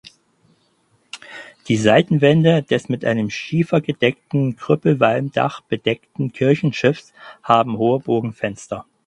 Die Seitenwände des mit einem schiefergedeckten Krüppelwalmdach bedeckten Kirchenschiffs haben hohe Bogenfenster.